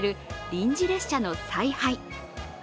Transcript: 臨時列車の采配。